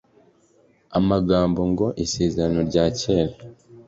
amagambo ngo isezerano rya kera